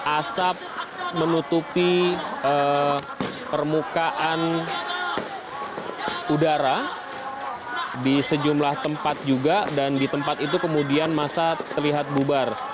asap menutupi permukaan udara di sejumlah tempat juga dan di tempat itu kemudian masa terlihat bubar